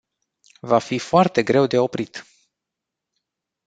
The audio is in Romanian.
Va fi foarte greu de oprit.